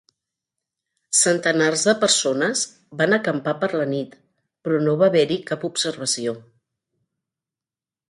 Centenars de persones van acampar per la nit, però no va haver-hi cap observació.